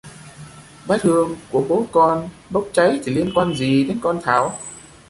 bát hương của bố con bốc cháy thì liên quan gì đến con Thảo